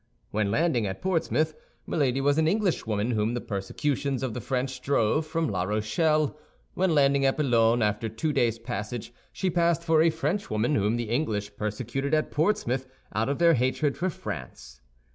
When landing at Portsmouth, Milady was an Englishwoman whom the persecutions of the French drove from La Rochelle; when landing at Boulogne, after a two days' passage, she passed for a Frenchwoman whom the English persecuted at Portsmouth out of their hatred for France.